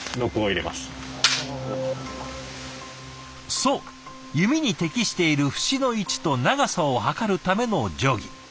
そう弓に適している節の位置と長さを測るための定規。